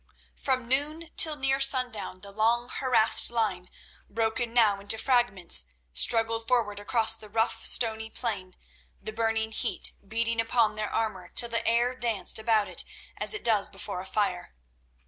From noon till near sundown the long harassed line, broken now into fragments, struggled forward across the rough, stony plain, the burning heat beating upon their armour till the air danced about it as it does before a fire.